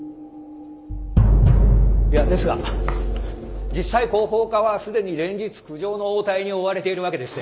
いやですが実際広報課は既に連日苦情の応対に追われているわけでして。